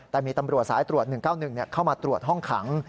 แต่มีตำรวจสายตรวจ๑๙๑เข้ามาตรวจห้องขัง